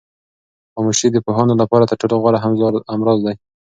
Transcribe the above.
خاموشي د پوهانو لپاره تر ټولو غوره همراز ده.